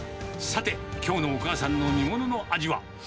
さて、きょうのお母さんの煮物の味は。